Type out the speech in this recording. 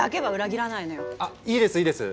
あいいですいいです